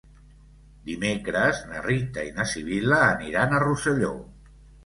Dimecres na Rita i na Sibil·la aniran a Rosselló.